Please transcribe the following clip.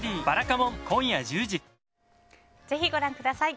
ぜひご覧ください。